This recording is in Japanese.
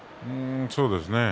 そうですね。